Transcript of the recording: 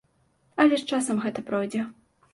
Але з часам гэта пройдзе.